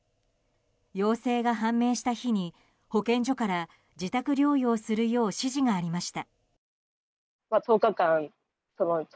陽性が判明した日に保健所から自宅療養するよう指示がありました。